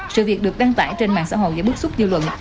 sự việc được đăng tải trên mạng xã hội giữa bước xúc dư luận